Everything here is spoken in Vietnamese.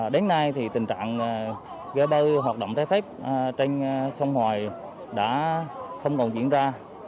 đến nay tình trạng ghe bơi hoạt động trái phép trên sông hoài đã không còn diễn ra